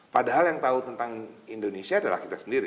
padahal yang tahu tentang indonesia adalah kita sendiri